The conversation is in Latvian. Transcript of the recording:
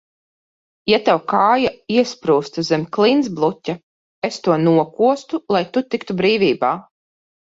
Ja tev kāja iesprūstu zem klintsbluķa, es to nokostu, lai tu tiktu brīvībā.